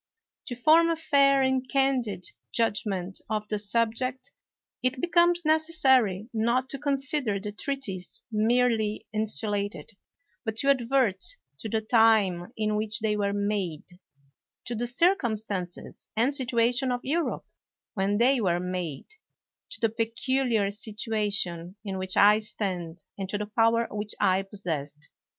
To form a fair and candid judgment of the subject it becomes necessary not to consider the treaties merely insulated, but to advert to the time in which they were made, to the circum stances and situation of Europe when they were made, to the peculiar situation in which I stand, 156 WALPOLE and to the power which I possessed.